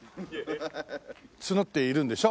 募っているんでしょ？